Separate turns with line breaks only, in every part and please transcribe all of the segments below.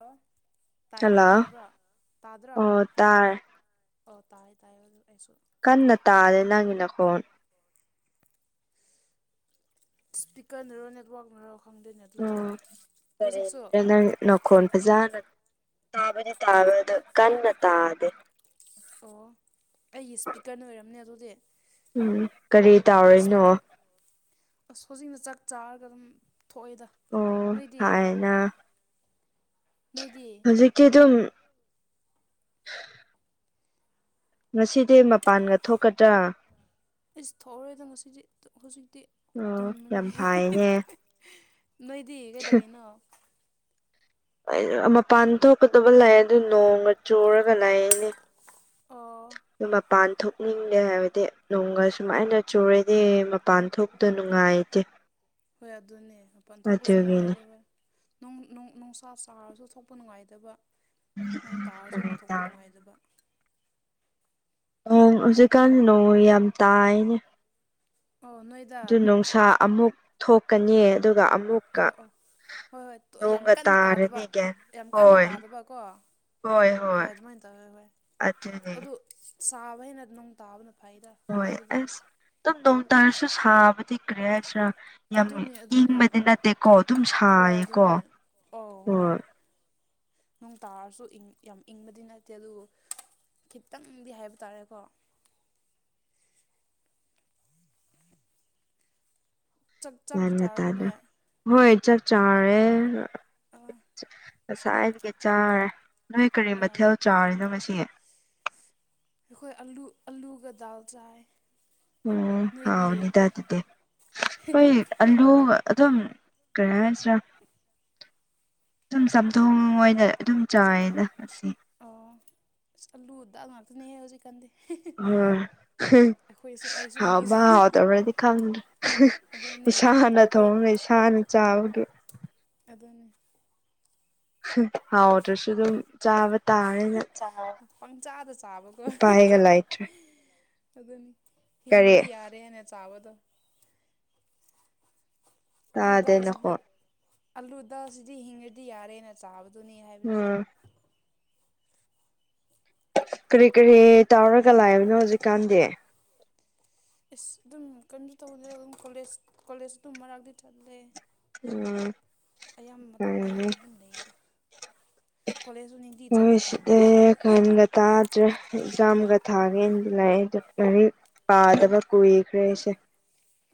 ꯂꫭ ꯇꯥꯏ
ꯍꯜꯂꯣ
ꯇꯥꯕ꯭ꯔꯥ ꯇꯥꯗ꯭ꯔꯥ
ꯑꯣ ꯇꯥꯔꯦ
ꯑꯣ ꯇꯥꯏꯌꯦ ꯇꯥꯏꯌꯦ ꯑꯗꯨ ꯑꯩꯁꯨ
ꯀꯟꯅ ꯇꯥꯔꯦ ꯅꯪꯒꯤ ꯅꯈꫭꯟ
ꯏꯁ꯭ꯄꯤꯀꯔꯅꯔꯣ ꯅꯦꯠꯋꯥꯛꯅꯔꯣ ꯈꯪꯗꯦꯅꯦ ꯑꯗꯨꯗꯤ ꯍꯧꯖꯤꯛꯁꯨ
ꯅꯥꯈꯣꯟ ꯐꯖꯅ ꯇꯥꯕꯗꯤ ꯇꯥꯕꯗ ꯑꯗꯨ ꯀꯟꯅ ꯇꯥꯗꯦ
ꯑꯣ ꯑꯩꯒꯤ ꯏꯁꯄꯤꯀꯔꯅ ꯑꯣꯏꯔꯝꯅꯤ ꯑꯗꯨꯗꯤ
ꯎꯝ ꯀꯔꯤ ꯇꯥꯎꯔꯤꯅꯣ
ꯏꯁꯄꯤꯀꯔ ꯑꯁ ꯍꯧꯖꯤꯛꯅ ꯆꯥꯛ ꯆꯥꯔꯒ ꯑꯗꯨꯝ ꯊꯣꯛꯑꯦꯗ
ꯑꯣ
ꯅꯣꯏꯗꯤ
ꯍꯥꯏꯅ
ꯅꯣꯏꯗꯤ
ꯍꯧꯖꯤꯛꯀꯤ ꯑꯗꯨꯝ ꯉꯁꯤꯗꯤ ꯃꯄꯥꯟꯒ ꯊꯣꯛꯀꯗ꯭ꯔꯥ
ꯏ‌ꯁ ꯊꯣꯛꯑꯔꯣꯏꯗ ꯉꯁꯤꯗꯤ ꯍꯧꯖꯤꯛꯇꯤ
ꯑꯣ
ꯇꯨꯝꯃꯅꯤ
ꯌꯥꯝ ꯐꯥꯏꯅꯦ
ꯅꯣꯏꯗꯤ ꯀꯩꯗꯧꯔꯤꯅꯣ
ꯃꯄꯥꯟ ꯊꯣꯛꯀꯗꯕ ꯂꯩ ꯑꯗꯨ ꯅꯣꯡꯒ ꯆꯨꯔꯒ ꯂꯩꯔꯦꯅꯦ
ꯑꯣ
ꯑꯗꯨ ꯃꯄꯥꯟ ꯊꯣꯛꯅꯤꯡꯗꯦ ꯍꯥꯏꯕꯗꯤ ꯅꯣꯡꯒ ꯁꯨꯃꯥꯏꯅ ꯆꯨꯔꯗꯤ ꯃꯄꯥꯟ ꯊꯣꯛꯄꯗ ꯅꯨꯡꯉꯥꯏꯇꯦ [inaudible]
ꯍꯣꯏ ꯑꯗꯨꯅꯦ ꯃꯄꯥꯟ ꯊꯣꯛꯄꯁꯨ
ꯑꯗꯨꯒꯤꯅꯤ
ꯅꯨꯡꯉꯥꯏꯇꯦ ꯍꯣꯏ ꯅꯨꯡꯁꯥ ꯆꯥꯔꯁꯨ ꯊꯣꯛꯄ ꯅꯨꯡꯉꯥꯏꯇꯕ ꯅꯣꯡ ꯇꯥꯔꯁꯨ
ꯀꯔꯤ
ꯑꯃꯨꯛ ꯊꯣꯛꯄ
ꯇꯧꯅꯤ
ꯅꯨꯡꯉꯥꯏꯇꯕ
ꯅꯣꯡ ꯍꯧꯖꯤꯛꯀꯥꯟ ꯅꯣꯡ ꯌꯥꯝ ꯇꯥꯏꯅꯦ
ꯑꯣ ꯅꯣꯏꯗ
ꯑꯗꯨ ꯅꯨꯡꯁꯥ ꯑꯃꯨꯛ ꯊꯣꯛꯀꯅꯤ ꯑꯗꯨꯒ ꯑꯃꯨꯛ
ꯑꯣ ꯑꯣ ꯍꯣꯏ ꯍꯣꯏ ꯇꫭꯏ ꯌꯥꯝ ꯀꯟꯅ ꯇꯥꯗꯕ
ꯇꯥꯔꯅꯤ ꯒ꯭ꯌꯥꯟ
ꯌꯥꯝ ꯀꯟꯅ
ꯍꯣꯏ
ꯇꯥꯗꯕꯀꯣ ꯍꯣꯏ ꯑꯗꯨꯃꯥꯏꯅ ꯇꯧꯋꯦ ꯍꯣꯏ
ꯑꯗꯨꯅꯦ
ꯑꯗꯨ ꯁꯥꯕ ꯍꯥꯏꯅ ꯅꯨꯡ ꯇꯥꯕꯅ ꯐꯩꯗ
ꯍꯣꯏ
ꯐꯕꯗꯤ
ꯑꯁ ꯑꯗꯨꯨꯝ ꯅꯣꯡꯇꯥꯔꯁꯨ ꯁꯥꯕꯗꯤ ꯀ꯭ꯔꯤ ꯍꯥꯏꯁꯤꯔꯥ ꯌꯥꯝ
ꯑꯗꯨꯅꯦ ꯑꯗꯨꯅꯦ
ꯏꯪꯕꯗꯤ ꯅꯠꯇꯦꯀꯣ ꯑꯗꯨꯝ ꯁꯥꯏꯌꯦꯀꯣ
ꯑꯣ ꯍꫭꯏ
ꯍꯣꯏ
ꯅꯨꯡ ꯇꯥꯔꯁꯨ ꯏꯪ ꯌꯥꯝ ꯏꯪꯕꯗꯤ ꯅꯠꯇꯦ ꯑꯗꯨꯕꯨ ꯈꯤꯇꯪꯗꯤ ꯍꯥꯏꯕ ꯇꯥꯔꯦꯀꯣ [unintelligible] ꯆꯥꯛ ꯆꯥꯛꯇꯤ
ꯌꯥꯟꯒ
ꯆꯥꯔꯕꯣ
ꯇꯥꯗꯦ
ꯅꯣꯏ
ꯍꯣꯏ ꯆꯞ ꯆꯥꯔꯦ
ꯑꯥ
ꯉꯁꯥꯏꯗꯒꯤ ꯆꯥꯔꯦ ꯅꯣꯏ ꯀꯔꯤ
ꯑꯥ
ꯃꯊꯦꯜ ꯆꯥꯔꯤꯅꯣ ꯉꯁꯤ
ꯑꯩꯈꯣꯏ ꯑꯂꯨ ꯑꯂꯨꯒ ꯗꯥꯜ ꯆꯥꯏ
ꯑꯣ
ꯅꯣꯏꯗꯤ
ꯍꯥꯎꯅꯤꯈ ꯑꯗꯨꯗꯤ ꯍꯝ ꯑꯂꯨꯒ ꯑꯗꯨꯝ ꯀꯔꯤ ꯍꯥꯏꯁꯤꯔꯥ ꯁꯨꯝ ꯆꯝꯊꯣꯡ ꯑꯣꯏꯅ ꯑꯗꯨꯝ ꯆꯥꯏꯌꯦꯅ ꯑꯁꯤ
ꯑꯣ ꯑꯂꯨꯗ ꯉꯥꯛꯇꯅꯦꯍ ꯍꯧꯖꯤꯛꯀꯥꯟꯗꯤ
ꯑ
ꯑꯩꯈꯣꯏꯁꯨ ꯑꯩꯁꯨ
ꯍꯥꯎꯕ
ꯃꯤꯁꯨ
ꯍꯥꯎ ꯇꯔꯕꯗꯤ ꯈꯪꯗꯔꯦ
ꯑꯗꯨꯅꯦ
ꯏꯁꯥꯅ
ꯎꯄꯩ
ꯊꯣꯡꯉꯒ ꯏꯁꯥꯅ ꯆꯥꯕꯒꯤ
ꯑꯗꯨꯅꯤ
ꯍꯥꯎ ꯗꯔꯁꯨ ꯑꯗꯨꯝ ꯆꯥꯕ ꯇꯥꯔꯦ
ꯄꯪꯆꯥꯗ ꯆꯥꯕꯀꯣ
ꯎꯄꯥꯏꯒ ꯂꯩꯇ꯭ꯔꯦ
ꯑꯗꯨꯅꯤ
ꯀꯔꯤ
ꯍꯤꯡꯉꯗꯤ ꯌꯥꯔꯦꯅꯦ ꯆꯥꯕꯗ ꯑꯥꯂꯨ
ꯇꯥꯗꯦ
ꯗꯥꯜꯁꯤꯗꯤ
ꯅꯈꯣꯟ
ꯑꯂꯨ ꯗꯥꯜꯁꯤꯗꯤ ꯍꯤꯡꯉꯗꯤ ꯌꯥꯔꯦꯅ ꯆꯥꯕꯗꯨꯅꯤ ꯍꯥꯏꯕꯅꯤꯗ
ꯎꯝ ꯀꯔꯤ ꯀꯔꯤ ꯇꯥꯎꯔꯒ ꯂꯥꯛꯏꯕꯅꯣ ꯍꯧꯖꯤꯛꯀꯥꯟꯗꯤ
ꯑꯦꯁ ꯑꯗꯨꯝ ꯀꯩꯅꯣꯁꯨ ꯇꯧꯅꯤ ꯑꯗꯨꯝ ꯀꯣꯂꯦꯖ ꯀꯣꯂꯦꯖ ꯑꯗꯨꯝ ꯃꯔꯥꯛꯗꯤ ꯆꯠꯂꯦ
ꯎꯝ
ꯑꯌꯥꯝꯕ ꯃꯇꯝꯗ ꯌꯨꯝꯗ ꯑꯗꯨꯝ ꯂꯩꯌꯦꯒ
[unintelligible] ꯇ꯭ꯔꯦ ꯑꯦꯛꯖꯥꯝꯒ ꯊꯥꯒꯦ [unintelligible] ꯄꯥꯗꯕ ꯀꯨꯏꯈ꯭ꯔꯦ ꯑꯩꯁꯦ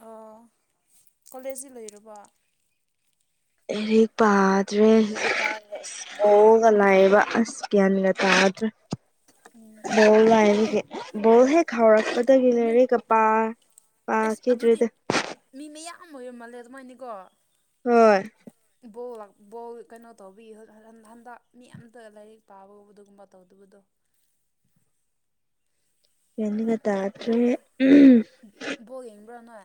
ꯑ ꯀꯣꯂꯦꯖꯇꯤ ꯂꯣꯏꯔꯕꯣ
ꯑꯦꯔꯤꯛ ꯄꯥꯗ꯭ꯔꯦꯒ [unintelligible] ꯂꯥꯏꯕ ꯑꯁ ꯒ꯭ꯌꯥꯟꯒ
ꯑꯣ
ꯇꯥꯗ꯭ꯔꯦ
ꯎꯝ
[unintelligible] ꯕꯣꯜ ꯍꯦꯛ ꯍꯧꯔꯛꯄ ꯇꯒꯤ
ꯅꯣꯏ
ꯂꯩꯔꯤꯒ ꯄꯥꯥ
ꯑꯦꯁ ꯑꯗꯨꯗꯤ
ꯄꯥꯈꯤꯗ꯭ꯔꯗ
ꯃꯤ ꯃꯌꯥꯝ [unintelligible] ꯑꯗꯨꯃꯥꯏꯅꯤꯀꯣ
ꯍꯣꯏ
ꯕꯣꯜ ꯕꯣꯜ ꯀꯩꯅꯣ ꯇꯧꯕꯤ ꯍꯟ ꯍꯟꯗꯛ ꯃꯤ ꯑꯝꯇ ꯂꯥꯏꯔꯤꯛ ꯄꯥꯕꯒꯨꯝꯕ ꯑꯗꯨꯒꯨꯝꯕ ꯇꯧꯗꯕꯗꯣ
[unintelligible] ꯇꯥꯗ꯭ꯔꯦ ꯎꯝ
ꯕꯣꯛ ꯌꯦꯡꯕ꯭ꯔꯣ ꯅꯣꯏ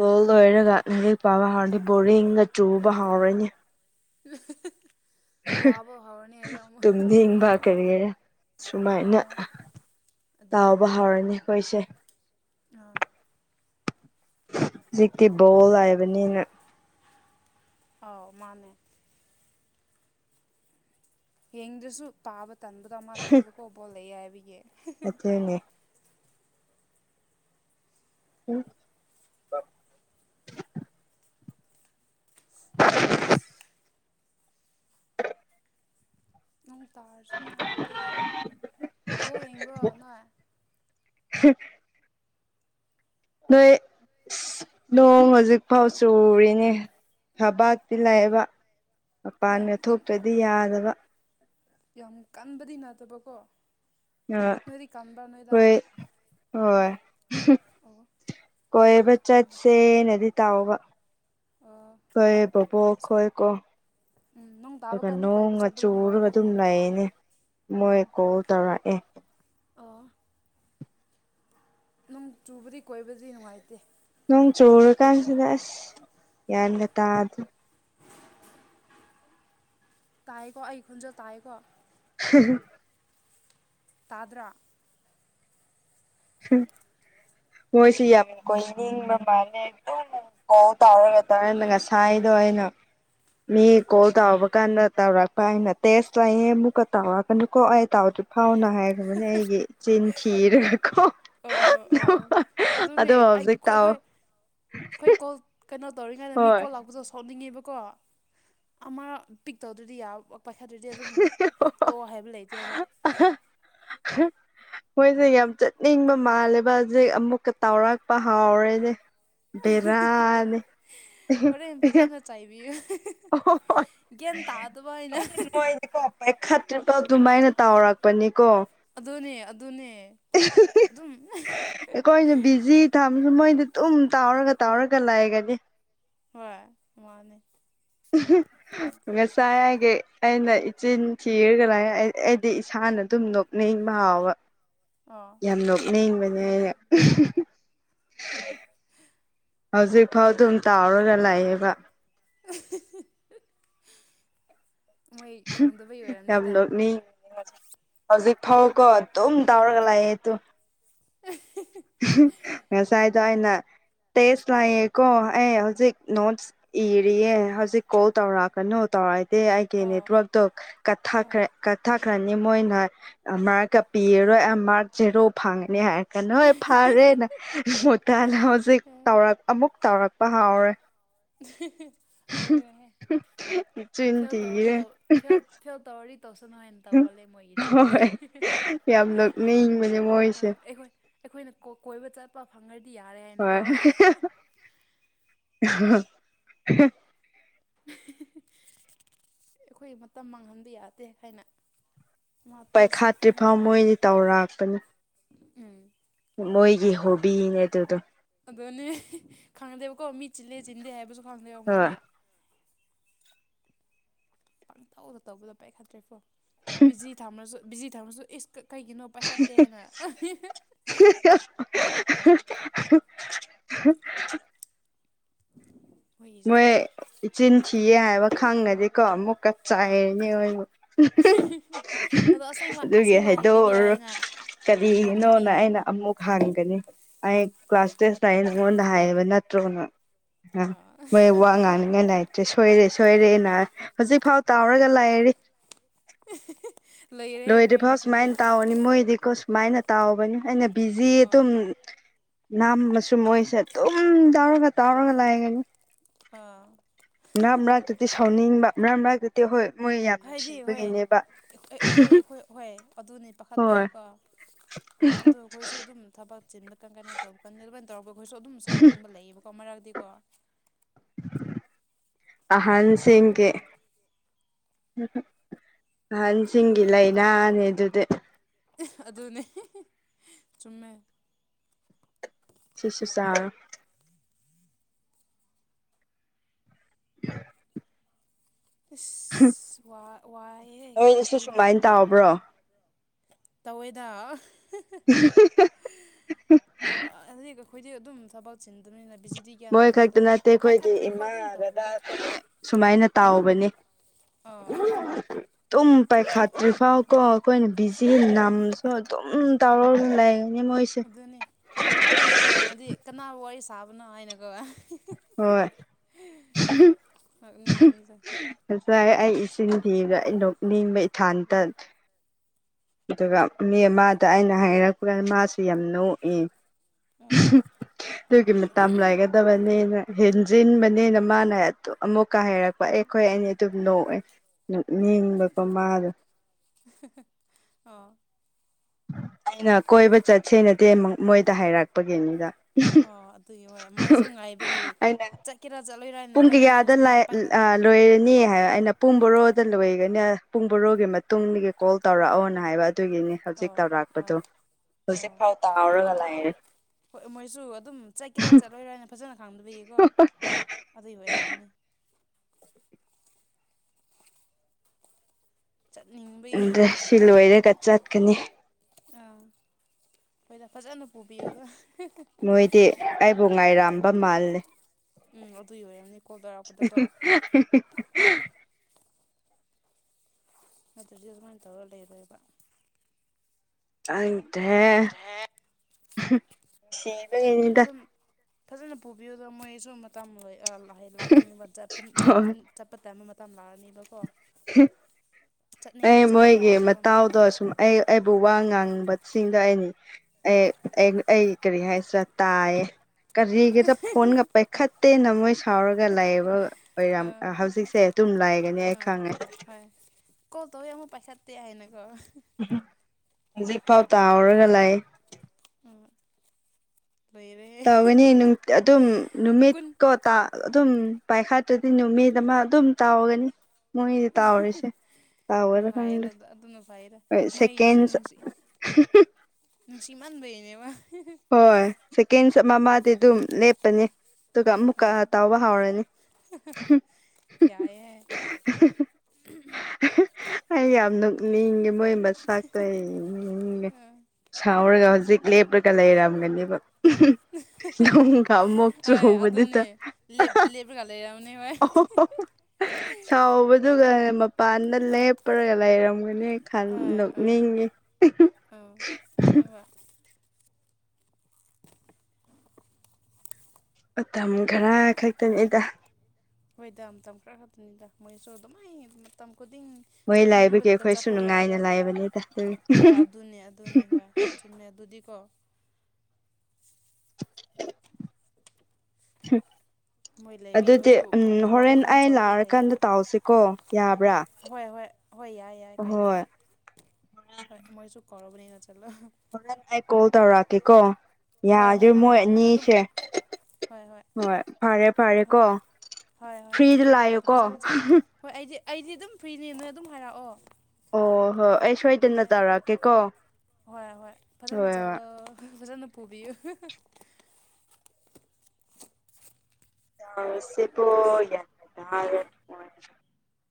ꯕꯣꯜ ꯂꯣꯏꯔꯒ ꯂꯥꯏꯔꯤꯛ ꯄꯥꯕ ꯍꯥꯎꯔꯗꯤ ꯕꯣꯔꯤꯡꯒ ꯆꯨꯕ ꯍꯥꯎꯔꯅꯤ
[unintelligible] ꯋꯥꯕ ꯍꯧꯔꯅꯤ ꯍꯌꯦꯡ
[unintelligible]
ꯑꯃꯨꯛ
ꯇꯨꯝꯅꯤꯡꯕ ꯀꯔꯤꯔꯥ ꯁꯨꯃꯥꯏꯅ
ꯑꯥ ꯑꯗꯨꯅꯦ
ꯇꯥꯎꯕ ꯍꯥꯎꯔꯅꯤ ꯑꯩꯈꯣꯏꯁꯦ
ꯑꯥ
ꯍꯧꯖꯤꯛꯇꯤ ꯕꯣꯜ ꯂꯩꯕꯅꯤꯅ
ꯑꯥꯎ ꯃꯥꯅꯦ ꯌꯦꯡꯗ꯭ꯔꯁꯨ ꯄꯥꯕ ꯇꯟꯕꯗꯣ ꯑꯃ ꯂꯩꯌꯦꯕꯀꯣ ꯕꯣꯜ ꯂꯩꯌꯦ ꯍꯥꯏꯕꯒꯤ [unintelligible]
ꯑꯗꯨꯅꯦ ꯎꯝ [unintelligible]
ꯑꯁ ꯅꯣꯡ ꯇꯥꯔꯁꯨ ꯅꯨꯡꯉꯥꯏꯇꯦ ꯕꯣꯜ ꯌꯦꯡꯕ꯭ꯔꯣ ꯅꯣꯏ
[unintelligible] ꯅꯣꯏ ꯅꯣꯡ ꯍꯧꯖꯤꯛꯐꯥꯎ ꯆꯨꯔꯤꯅꯦ ꯍꯥꯕꯠ ꯁꯤ
ꯑꯣ
ꯂꯥꯛꯑꯕ
ꯌꯥꯝ
ꯃꯄꯥꯟꯒ
ꯌꯥꯝ
ꯊꯣꯛꯇ꯭ꯔꯗꯤ ꯌꯥꯗꯕ
ꯌꯥꯝ ꯀꯟꯕꯗꯤ ꯅꯠꯇꯕꯀꯣ
ꯑ
ꯅꯣꯏꯗꯤ ꯀꯟꯕ꯭ꯔꯥ ꯅꯣꯏꯗ
ꯍꯣꯏ ꯍꯣꯏ [unintelligible]
ꯑꯣ ꯑꯩꯈꯣꯏꯗꯗꯤ ꯀꯟꯗꯦ
ꯀꯣꯏꯕꯆꯠꯁꯦ ꯅꯗꯤ ꯇꯥꯎꯕ
ꯑꯥ
ꯈꯣꯏ ꯕꯣꯕꯣꯛ ꯈꯣꯏ ꯀꯣ
ꯎꯝ ꯅꯨꯡ ꯇꯥꯕ
ꯑꯗꯨꯒ
ꯀꯥꯟꯗꯤ ꯀꯣꯏꯕ
ꯅꯣꯡꯒ
ꯆꯠꯄꯗꯣ
ꯆꯨꯔꯒ ꯑꯗꯨꯝ
ꯅꯨꯡꯉꯥꯏꯇꯕꯅꯤꯗ
ꯂꯩꯌꯦꯅꯦ ꯃꯣꯏ
ꯑꯣ
ꯀꯣꯜ ꯇꯔꯥꯛꯑꯦ
ꯑꯣ ꯅꯣꯡ ꯆꯨꯕꯗꯤ ꯀꯣꯏꯕꯗꯤ ꯅꯨꯡꯉꯥꯏꯇꯦ
ꯅꯣꯡ ꯆꯨꯔꯀꯥꯟꯁꯤꯗ ꯑꯁ ꯒꯌꯥꯟꯒ ꯇꯥꯗꯦ
ꯇꯥꯏꯀꯣ ꯑꯩ ꯈꯣꯟꯖꯦꯜ ꯇꯥꯏꯀꯣ
[unintelligible]
ꯇꯥꯗ꯭ꯔꯥ
ꯍꯨꯝ ꯃꯣꯏꯁꯤ ꯌꯥꯝ ꯀꯣꯏꯅꯤꯡꯕ ꯃꯥꯜꯂ ꯑꯣ ꯇꯧꯔꯒ [unintelligible] ꯁꯥꯏꯗꯣ ꯑꯩꯅ ꯃꯤ ꯀꯣꯜ ꯇꯧꯕ ꯀꯥꯟꯗ ꯇꯧꯔꯛꯄ ꯇꯦꯁ ꯍꯥꯌꯦꯡ ꯃꯨꯛꯀ ꯇꯧꯔꯛꯀꯅꯨꯀꯣ ꯑꯩ ꯇ ꯐꯥꯎꯅ ꯍꯥꯏꯈ꯭ꯔꯕꯅꯤ ꯑꯩꯒꯤ ꯆꯤꯟ ꯊꯤꯔꯥꯒꯀꯣ [unintelligible]
ꯑꯣ ꯑꯣ ꯑꯗꯨꯅꯦ ꯑꯩ
ꯍꯧꯖꯤꯛ
ꯑꯩꯈꯣꯏ
ꯇꯥꯎ
ꯑꯩꯈꯣꯏ ꯀꯣꯜ ꯀꯩꯅꯣ ꯇꯧꯔꯤꯉꯥꯏꯗ ꯃꯤ
ꯍꯣꯏ
ꯀꯣꯜ ꯂꯥꯛꯄꯗ ꯁꯣꯛꯅꯤꯡꯉꯦꯕꯀꯣ ꯑꯃ ꯄꯤꯛ ꯇꯧꯗ꯭ꯔꯗꯤ ꯌꯥ ꯄꯥꯏꯈꯠꯇ꯭ꯔꯗꯤ ꯑꯗꯨꯝ ꯇꯣꯛꯑꯣ ꯍꯥꯏꯕ ꯂꯩꯇꯦꯕ
ꯃꯣꯏꯁꯦ ꯌꯥꯝ ꯆꯠꯅꯤꯡꯕ ꯃꯥꯜꯂꯦꯕ ꯍꯧꯖꯤꯛ ꯑꯃꯨꯛꯀ ꯇꯥꯎꯔꯛꯄ ꯍꯥꯎꯔꯦꯅꯦ ꯕꯦꯔꯥꯅꯦ [unintelligible]
ꯆꯩꯕꯤꯌꯨ [unintelligible] ꯒ꯭ꯌꯥꯟ ꯇꯥꯗꯕ ꯑꯩꯅ
[unintelligible] ꯄꯥꯏꯈꯠꯇ꯭ꯔꯤꯐꯥꯎ ꯑꯗꯨꯃꯥꯏꯅ ꯇꯥꯎꯔꯛꯄꯅꯤꯀꯣ
ꯑꯗꯨꯅꯦ ꯑꯗꯨꯅꯦ ꯑꯗꯨꯝ
ꯑꯩꯈꯣꯏꯅ ꯕꯤꯖꯤ ꯊꯝꯕꯁꯨ ꯃꯣꯏꯗ ꯇꯨꯝ ꯇꯥꯎꯔꯒ ꯇꯥꯎꯔꯒ ꯂꯥꯏꯒꯅꯤ
ꯍꯣꯏ ꯃꯥꯅꯦ
[unintelligible] ꯉꯁꯥꯏꯍꯥꯏꯗꯤ ꯑꯩꯅ ꯏꯆꯤꯟ ꯊꯤꯔꯒ [unintelligible] ꯑꯩꯗꯤ ꯏꯁꯥꯅ ꯑꯗꯨꯝ ꯅꯣꯛ [unintelligible]
ꯑꯥ
ꯌꯥꯝ ꯅꯣꯛꯅꯤꯡꯕꯅꯦ ꯑꯩꯅ
[inaudible]
ꯍꯧꯖꯤꯛ ꯐꯥꯎ ꯑꯗꯨꯝ ꯇꯥꯎꯔꯒ ꯂꯥꯛꯑꯦꯕ
[unintelligible] ꯃꯣꯏ ꯈꯪꯗꯕꯩ
ꯌꯥꯝ
ꯑꯣꯏꯔꯝꯅꯤꯗ
ꯅꯣꯛꯅꯤꯡ ꯍꯧꯖꯤꯛ
ꯑ
ꯐꯥꯎꯀꯣ ꯑꯗꯨꯝ ꯇꯥꯎꯔꯒ ꯂꯥꯛꯑꯦꯗꯣ
[unintelligible]
ꯉꯁꯥꯏꯗꯣ ꯑꯩꯅ ꯇꯦꯁ ꯂꯥꯛꯑꯦꯀꯣ ꯑꯩ ꯍꯧꯖꯤꯛ ꯅꯣꯠꯁ ꯏꯔꯤꯌꯦ ꯍꯧꯖꯤꯛ ꯀꯣꯜ ꯇꯧꯔꯛꯀꯅꯨ ꯇꯧꯔ ꯗꯦ
ꯑ
ꯑꯩꯒꯤꯅꯦ ꯇꯨꯋꯦꯞꯇꯣ
ꯑ
ꯀꯠꯊꯈ꯭ꯔꯦ ꯀꯠꯊꯈ꯭ꯔꯅꯤ ꯃꯣꯏꯅ ꯃꯥꯛꯀ ꯄꯤꯔꯔꯣꯏ ꯑ ꯃꯥꯛ ꯖꯦꯔꯣ ꯐꯪꯉꯅꯤ ꯍꯥꯏꯔꯀꯅ ꯐꯔꯦꯅ ꯃꯨꯇꯥꯅ ꯍꯧꯖꯤꯛꯧꯔ ꯑꯃꯨꯛ ꯇꯧꯔꯛꯄ ꯍꯥꯎꯔꯦ
ꯑꯗꯨꯅꯤ
ꯆꯤꯟ
ꯐ ꯇꯧꯔꯤ
ꯊꯤꯔꯦ
ꯇꯧ ꯐ ꯇꯧꯔꯤ ꯇꯧꯁꯅ ꯍꯥꯏꯅ ꯇꯧꯧꯕꯜꯂꯦ ꯃꯣꯏꯒꯤꯁꯤꯗꯤ
ꯍꯣꯏ ꯌꯥꯝ ꯅꯣꯛꯅꯤꯡꯕꯅꯦ
ꯑ
ꯃꯣꯏꯁꯦ
ꯑꯩꯈꯣꯏ ꯑꯩꯈꯣꯏꯅꯀꯣ ꯀꯣꯏꯕ ꯆꯠꯄ ꯐꯪꯉ꯭ꯔꯗꯤ ꯌꯥꯔꯦ ꯍꯥꯏꯅꯀꯣ
ꯍꯣꯏ
[unintelligible]
ꯑ
[unintelligible] ꯑꯩꯈꯣꯏ ꯃꯇꯝ ꯃꯥꯡꯍꯟꯕ ꯌꯥꯗꯦ ꯍꯥꯏꯥꯏꯅ ꯃꯣꯛ ꯇꯦꯁ ꯀꯩꯅꯣ
ꯄꯥꯏꯈꯥꯠꯇ꯭ꯔꯤꯐꯥꯎ
ꯇꯧꯔꯁꯨ
ꯃꯣꯏꯗꯤ ꯇꯧꯔꯛꯄꯅꯤ
ꯎꯝ
ꯃꯣꯏꯒꯤ ꯍꯣꯕꯤꯅꯦ ꯑꯗꯨꯗꯣ
ꯑꯗꯨꯅꯦ ꯈꯪꯗꯦꯕꯀꯣ ꯃꯤ ꯆꯤꯜꯂꯦ ꯆꯤꯟꯗꯦ ꯍꯥꯏꯕꯁꯨ ꯈꯪꯗꯦꯕ
ꯍꯣꯏ
ꯃꯣꯏꯗꯤꯦ ꯄꯪꯇꯧꯗ ꯇꯧꯕꯗ ꯄꯩꯈꯠꯇ꯭ꯔꯦꯐꯣ ꯕꯤꯖꯤ ꯊꯝꯃ꯭ꯔꯁꯨ ꯕꯤꯖꯤ ꯊꯝꯁꯨ ꯏꯁ ꯀꯩꯒꯤꯅꯣ ꯄꯥꯏꯈꯠꯇꯦ ꯍꯥꯏꯅ
[unintelligible] ꯍ
ꯃꯣꯏꯒꯤꯁꯦ
ꯃꯣꯏ ꯏꯆꯤꯟ ꯊꯤꯌꯦ ꯍꯥꯏꯕ ꯈꯪꯉꯗꯤꯀꯣ ꯑꯃꯨꯛꯀ
ꯑꯥ
ꯆꯥꯏꯌꯦꯅꯦ
ꯑꯗꯣ
[unintelligible]
ꯑꯁꯦꯡꯕ
ꯑꯗꯨꯒꯤ
ꯑꯁꯦꯡꯕ ꯍꯥꯏꯕꯤꯕ
ꯍꯥꯏꯗꯣꯛꯑ
ꯌꯥꯏꯅ ꯍꯥꯏꯕꯤꯕ
ꯀꯔꯤꯒꯤꯅꯣꯅ ꯑꯩꯅ
ꯌꯥꯏꯅ
ꯑꯃꯨꯛ ꯍꯪꯒꯅꯤ ꯑꯩ ꯀ꯭ꯂꯥꯁ ꯇꯦꯁꯇ ꯂꯩ ꯅꯉꯣꯟꯗ ꯍꯥꯏꯕ ꯅꯠꯇ꯭ꯔꯣꯅ
ꯑꯥ
ꯃꯣꯏ ꯋꯥ ꯉꯥꯡꯅꯤꯉꯥꯏ ꯂꯩꯥꯏꯇ꯭ꯔꯦ ꯁꯣꯏꯔꯦ ꯁꯣꯏꯔꯦꯅ ꯍꯧꯖꯤꯛꯐꯥꯎ ꯇꯥꯎꯔꯒ ꯂꯥꯛꯔꯤ
ꯂꯩꯔꯦ
ꯂꯣꯏꯇꯤꯐꯥꯎ ꯁꯨꯃꯥꯏ
ꯃꯣꯏꯒꯤꯁꯤꯗꯤ
ꯇꯧ ꯃꯣꯏꯗꯤꯀꯣ ꯁꯨꯃꯥꯏꯅ ꯇꯥꯎꯕꯅꯤ ꯑꯩꯅ ꯕꯤꯖꯤ
ꯑꯥ
ꯑꯗꯨꯝ ꯅꯥꯝ ꯃꯁꯨꯨꯝ ꯃꯣꯏꯁꯦ ꯑꯗꯨꯝ ꯌꯥꯎꯔꯒ ꯇꯥꯎꯔꯒ ꯂꯥꯏꯒꯅꯤ
ꯑꯥ
ꯃꯔꯛ ꯃꯔꯛꯇꯗꯤ ꯁꯥꯎꯅꯤꯡꯕ ꯃꯔꯛ ꯃꯔꯛꯇꯗꯤ ꯠꯇꯦ ꯍꯣꯏ ꯃꯣꯏ ꯌꯥꯝ
ꯍꯥꯏꯗꯤ
ꯅꯨꯡꯁꯤꯕꯒꯤꯅꯦꯕ
ꯍꯍꯣꯏ ꯑꯗꯨꯅꯦ ꯄꯥꯈꯠꯄꯩ
ꯍꯣꯏ
ꯀꯣ ꯑꯗꯨ ꯑꯩꯈꯣꯏꯁꯨ ꯑꯗꯨꯝ ꯊꯕꯛ ꯆꯤꯟꯕ ꯀ ꯀꯩꯅꯣ ꯇꯧꯕ ꯀꯥꯟ ꯑꯗꯨꯃꯅ ꯇꯧꯔꯒ ꯑꯩꯈꯣꯏꯁꯨ ꯑꯗꯨꯝ ꯁꯥꯎꯅꯤꯡꯕ ꯂꯩꯌꯦꯕꯀꯣ ꯃꯔꯛꯇꯤꯀꯣ
ꯑꯍꯟꯁꯤ ꯀꯦ ꯑꯍꯟꯁꯤꯡꯒꯤ
ꯃꯣꯏ
ꯂꯥꯏꯅꯥꯅꯦ ꯑꯗꯨꯗꯤ
ꯑꯗꯨꯅꯦ ꯆꯨꯝꯃꯦ
ꯁꯤꯁꯨ ꯆꯥꯎꯥꯔꯣ [unintelligible]
ꯏꯁꯁ ꯋꯥꯏꯑꯦꯍ
ꯅꯣꯏꯁꯨ
ꯌꯨꯝꯗ ꯑꯗꯨꯝ
ꯁꯨꯃꯥꯏꯅ
ꯂꯩꯕꯁꯨ
ꯇꯥꯎꯕ꯭ꯔꯣ
ꯇꯧꯋꯦꯗ ꯑꯗꯨꯝ ꯑꯗꯤ ꯑꯩꯈꯣꯏꯗꯤ ꯑꯗꯨꯝ ꯊꯕꯛ ꯆꯤꯟꯗꯕꯅꯤꯅ ꯕꯤꯖꯤꯗꯤ ꯀꯌꯥ
ꯃꯣꯏ
ꯅꯝꯗꯦ
ꯈꯛꯇ
ꯑꯗꯨ
ꯅꯠꯇꯦ ꯑꯩꯈꯣꯏꯒꯤ
ꯄꯥꯏꯈꯠꯇ꯭ꯔꯤꯐꯥꯎ ꯑꯗꯨꯝ
ꯏꯃꯥꯒꯗ
ꯇꯧꯕꯗꯣ
ꯁꯨꯃꯥꯏꯅ ꯇꯥꯎꯕꯅꯦ
ꯑꯥ
ꯑꯗꯨꯝ ꯄꯥꯏꯈꯥꯠꯇ꯭ꯔꯤ ꯐꯥꯎ ꯀꯣ ꯑꯩꯈꯣꯏꯅ ꯕꯤꯖꯤ
ꯎꯝ
ꯅꯝꯁꯨ ꯑꯗꯨꯝ ꯇꯧꯔ ꯑꯗꯨꯝ ꯂꯩꯅꯤ ꯃꯣꯏ
ꯑꯗꯨꯅꯤ ꯀꯣꯠꯇ ꯂꯩꯔꯝꯃꯗꯤ ꯀꯅꯥꯕꯨ ꯋꯥꯔꯤ ꯁꯥꯕꯅꯣ ꯍꯥꯏꯅ ꯀꯧ
ꯍꯣꯏ
ꯅꯣꯛꯅꯤꯡꯕꯅꯤꯗ
ꯉꯁꯥꯏ ꯑꯩ ꯏꯁꯤꯡ ꯊꯤꯕꯗꯩꯅꯣꯛ ꯅꯤꯡꯕ ꯏꯊꯥꯟꯇ ꯑꯗꯨꯒ ꯃꯤ ꯑꯃꯗ ꯑꯩꯅ ꯍꯥꯏꯔꯛꯄꯗ ꯃꯥꯁꯤ ꯌꯥꯝ ꯅꯣꯛꯏ
ꯑꯥ
ꯑꯗꯨꯒꯤ ꯃꯇ ꯂꯥꯏꯒꯗꯕ ꯅꯦꯅ ꯍꯦꯟꯖꯤꯟꯕꯅꯦꯅ ꯃꯥꯅ ꯑꯃꯨꯛꯀꯥ ꯍꯥꯏꯩꯔꯛꯄ ꯑꯦꯈꯣꯏ ꯑꯅꯤ ꯑꯗꯨꯝ ꯅꯣꯛꯑꯦ
ꯑꯥ
ꯅꯤꯡꯕꯀꯣ ꯃꯥꯗꯣ
ꯑꯥ
ꯑꯩꯅ ꯀꯣꯏꯕ ꯆꯠꯁꯦ ꯅꯠꯇꯦ ꯃꯣꯏꯗ ꯍꯥꯏꯔꯛꯄꯒꯤꯅꯤꯗ
ꯑꯣ ꯑꯗꯨꯏ ꯍꯣꯏ ꯃꯣꯏꯁꯨ ꯉꯥꯏꯕꯒꯤ
ꯑꯩꯅ
ꯆꯠꯀꯦꯔꯥ ꯆꯠꯂꯣꯏꯔꯥꯅ
ꯄꯨꯡ
ꯀꯩꯅꯣ
ꯀꯌꯥꯗ
ꯅꯪꯁꯨ ꯄꯤꯛ ꯄꯥꯏꯈꯠ
ꯂꯣꯏꯔꯅꯤ ꯑꯩꯅ ꯄꯨꯡ ꯕꯣꯔꯣꯗ ꯂꯣꯏꯒꯅꯤ ꯄꯨꯡ ꯕꯣꯔꯣꯒꯤ ꯃꯇꯨꯡꯗꯒꯤ ꯀꯣꯜ ꯇꯧꯔꯛꯑꯣꯅ ꯍꯥꯏꯕ ꯑꯗꯨꯒꯤꯅꯤ ꯍꯧꯖꯤꯛ
ꯑꯣ ꯑꯣ
ꯇꯧꯔꯥꯛꯄꯗꯣ
ꯑꯣ
ꯍꯧꯖꯤꯛꯐꯥꯎ ꯇꯥꯎꯔꯒ ꯂꯥꯛꯔꯦ
ꯍꯣꯏ ꯃꯣꯏꯁꯨ ꯑꯗꯨꯝ ꯆꯠꯀꯦꯔꯥ ꯆꯠꯂꯣꯏꯔꯥꯅ ꯐꯖꯅ ꯈꯥꯡꯗꯕꯌꯦꯀꯣ ꯑꯗꯨꯒꯤ ꯑꯣꯏꯔꯝꯅꯦ ꯆꯠꯅꯤ
ꯑꯗ ꯁꯤ ꯂꯣꯏꯔꯒ ꯆꯠꯀꯅꯤ
ꯑꯥ ꯍꯣꯏꯗ ꯐꯖꯅ ꯄꯨꯕꯤꯌꯣ ꯑꯗꯨꯒ
ꯗꯦ ꯑꯩꯕꯨ ꯉꯥꯏꯔꯝꯕ ꯃꯥꯜꯂꯦ
ꯎꯝ ꯑꯗꯨꯏ ꯑꯣꯏꯔ ꯌꯥꯝꯅꯤ
[unintelligible]
ꯑꯗꯨꯗꯤ ꯑꯗꯨꯃꯥꯏꯅ ꯇꯧꯔꯒ ꯂꯩꯔꯕ
ꯑꯗ
ꯐꯖꯅ ꯐꯖꯅ ꯄꯨꯕꯤꯌꯨꯗꯣ ꯃꯣꯏꯁꯨ ꯃꯇꯝ ꯂꯥꯛꯀꯅꯤꯕ ꯆꯠꯄ ꯇꯥꯏꯝꯕ ꯃꯇꯝ ꯂꯥꯛꯑꯅꯤꯕ
ꯑ
ꯆꯠꯄ
ꯃꯣꯏꯒꯤ
ꯌꯥꯗ꯭ꯔꯦꯕ
ꯃꯇ
ꯃꯇꯝ
ꯇꯥꯎꯗꯣ ꯁꯨꯝꯃ ꯑꯩ ꯑꯩꯕꯨ ꯋꯥ ꯉꯥꯡꯕꯁꯤꯡꯗ ꯑꯩꯅꯤ ꯑꯦ ꯑꯩ ꯑꯩ ꯀꯔꯤ ꯍꯥꯏꯁꯤꯦ ꯇꯥꯏꯌꯦ ꯀꯔꯤꯒꯤꯗ ꯐꯣꯟꯒ ꯄꯥꯏꯈꯠꯇꯦꯅ ꯃꯣꯏ ꯁꯥꯎꯔꯒ ꯂꯩꯌꯦꯕ ꯑꯣꯏꯔꯥꯝ
ꯑꯥ
ꯍꯧꯖꯤꯛꯁꯦ ꯇꯨꯝꯂꯥꯏ
ꯑꯥ ꯍ ꯀꯣ ꯇꯧ ꯃꯣꯏ ꯄꯩꯁꯥꯗꯤ ꯍꯥꯏꯦꯅꯦꯀꯣ
ꯍꯧꯖꯤꯛꯐꯥꯎ ꯇꯥꯍꯔꯒ ꯂꯥꯛꯑ
ꯑꯥ
ꯇꯧꯒꯅꯤ ꯑꯗꯨꯝ ꯅꯨꯃꯤꯠ
ꯀꯨꯟ
ꯀꯣ ꯑꯗꯨꯝ ꯄꯥꯏꯈꯥꯠꯇ꯭ꯔꯗꯤ ꯅꯨꯃꯤꯗ ꯑꯃ ꯑꯗꯨꯝ ꯇꯥꯎꯒꯅꯤ ꯃꯣꯏꯗꯤ ꯇꯥꯎꯔꯤꯁꯦ ꯇꯥꯎꯒꯗ꯭ꯔꯥ
ꯅꯨꯡꯉꯥꯏꯔ
ꯈꯪꯗ꯭ꯔꯦ
ꯑꯗꯨꯅ ꯐꯥꯏꯔꯦ
ꯍꯣꯏ
ꯃꯣꯏꯁꯦ
ꯁꯦꯀꯦꯟꯁ
ꯅꯨꯡꯁꯤ ꯅꯨꯡꯁꯤ ꯃꯥꯟꯕꯩꯅꯦꯕ
ꯍꯣꯏ ꯁꯦꯀꯦꯟ ꯃꯃꯥꯗꯤ ꯑꯗꯨꯝ ꯂꯦꯞꯄꯅꯤ ꯑꯗꯨꯒ ꯑꯃꯨꯛꯀ
ꯑꯣ
ꯇꯥꯎꯕ ꯍꯥꯎꯔꯅꯤ
ꯌꯥꯑ
ꯑꯩ ꯌꯥꯝ ꯅꯣꯛꯅꯤꯡꯉꯦ ꯃꯣꯏ ꯃꯆꯥꯛꯇꯣ ꯑꯩ
ꯑꯝ
ꯁꯥꯎꯔꯒ ꯍꯧꯖꯤꯛ ꯂꯦꯞꯂꯒ ꯂꯩꯔꯝꯒꯅꯦꯕ ꯂꯣꯡ ꯀ ꯃꯛ
ꯍꯣꯏ
ꯆꯕꯗꯨꯇ
ꯑꯗꯨꯅꯦ ꯂꯦꯞ ꯂꯦꯞꯔꯒ ꯂꯩꯔꯝꯅꯤ ꯍꯣꯏ
ꯁꯥꯎꯕꯗꯨꯒ ꯃꯄꯥꯟꯗ
ꯑꯥ
ꯂꯦꯞꯄꯔꯒ ꯂꯩꯔꯝꯒꯅꯤ ꯈꯟ
ꯍꯣꯏ ꯑꯥ
ꯅꯣꯛꯅꯤꯡꯉꯤ
ꯑꯥ ꯑꯁꯥꯏ
ꯃꯇꯝ ꯈꯔ ꯈꯛꯇꯅꯤꯗ
ꯍꯣꯏꯗ ꯃꯇꯝ ꯈꯔ ꯈꯛꯇꯅꯤꯗ ꯃꯣꯏꯁꯨ ꯑꯗꯨꯃꯥꯏ ꯃꯇꯝ ꯈꯨꯗꯤꯡ
ꯃꯣꯏ ꯂꯥꯏꯕꯒꯤ
ꯆꯠꯅꯤꯡꯕꯗ
ꯑꯩꯈꯣꯏꯁꯨ
ꯆꯠꯄ ꯌꯥꯕ
ꯅꯨꯡꯉꯥꯏꯅ ꯂꯥꯏꯕꯅꯤꯗ
ꯍꯣꯏ ꯑꯗꯨꯅꯦ ꯑꯗꯨꯅꯦ ꯍꯣꯏ ꯁꯨꯅꯗꯨꯗꯤꯀꯣ
ꯍ
ꯃꯣꯏ ꯂꯩꯕꯒꯤ
ꯑꯗꯨꯗꯤ
ꯑꯩꯈꯣꯏꯁꯨ
ꯎꯝ ꯍꯣꯔꯦꯟ
ꯋꯥꯈꯜ
ꯑꯩ
ꯆꯥꯎꯕꯗ
ꯂꯥꯛꯑꯀꯥꯟꯗ
ꯂꯩꯌꯦꯕ
ꯇꯥꯎꯁꯤꯀꯣ ꯌꯥꯕ꯭ꯔꯥ
ꯍꯣꯏ ꯍꯣꯏ ꯍꯣꯏ ꯌꯥꯏ ꯌꯥꯏ ꯀꯥꯏꯗꯦ
ꯍꯣꯏ [inaudible]
ꯍꯣꯏ ꯃꯣꯏꯁꯨ ꯈꯔꯕꯨ ꯅ ꯆꯜꯂ
ꯍꯣꯔꯦꯟ ꯑꯩ ꯀꯣꯜ ꯇꯧꯔꯛꯀꯦꯀꯣ
ꯍꯣꯏ
ꯌꯥꯗ꯭ꯔꯤ
ꯍꯣꯏ ꯅꯪ
ꯃꯣꯏ
ꯂꯥꯛꯄꯗ ꯑꯗꯨꯝ
ꯑꯅꯤꯁꯦ ꯍꯣꯏ ꯐꯔꯦ ꯐꯔꯦ ꯀꯣ
ꯍꯣꯏ ꯍꯣꯏ ꯍꯣꯏ ꯍꯣꯏ
ꯐ꯭ꯔꯤꯗ ꯂꯥꯛꯑꯦꯀꯣ
ꯐꯖꯅ ꯆꯠ ꯍꯣꯏ ꯑꯩꯗꯤ ꯑꯩꯗꯤ ꯑꯗꯨꯝ ꯐ꯭ꯔꯤꯅꯦꯅ ꯑꯗꯨꯝ ꯍꯥꯏꯔꯛꯑꯣ
ꯑꯣ ꯍꯣ ꯑꯩ ꯁꯣꯏ
ꯍꯣꯏ ꯍꯣꯏ ꯍꯣꯏ ꯐꯖꯅ
ꯍꯣꯏ ꯍꯣꯏ
ꯆꯠꯂ ꯐꯖꯅ ꯄꯨꯕꯤꯌꯨ
ꯦ ꯌꯥ